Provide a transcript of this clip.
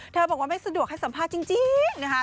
บอกว่าไม่สะดวกให้สัมภาษณ์จริงนะคะ